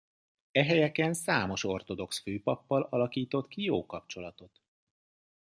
E helyeken számos ortodox főpappal alakított ki jó kapcsolatot.